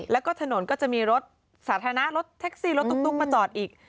แล้วก็ถนนก็จะมีรถสาธารณะรถแท็กซี่รถตุ๊กมาจอดอีก